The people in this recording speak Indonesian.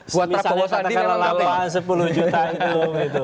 buat pak bos adi delapan atau sepuluh juta itu